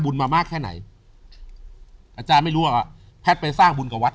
มามากแค่ไหนอาจารย์ไม่รู้หรอกว่าแพทย์ไปสร้างบุญกับวัด